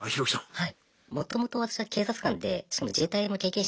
はい。